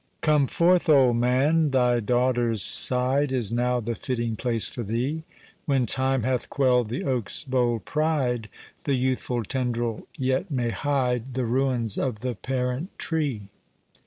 Come forth, old man—Thy daughter's side Is now the fitting place for thee: When time hath quell'd the oak's bold pride, The youthful tendril yet may hide The ruins of the parent tree.